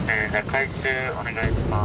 回収お願いします。